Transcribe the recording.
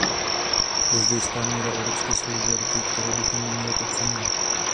Je zde jistá míra evropské solidarity, kterou bychom neměli podceňovat.